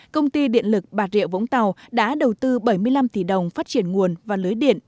công ty điện lực bà rịa vũng tàu đã đầu tư bảy mươi năm tỷ đồng phát triển nguồn và lưới điện